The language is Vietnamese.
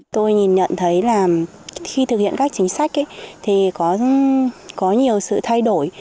tôi nhìn nhận thấy là khi thực hiện các chính sách thì có nhiều sự thay đổi